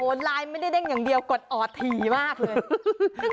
ไลน์ไม่ได้เด้งอย่างเดียวกดออดถี่มากเลย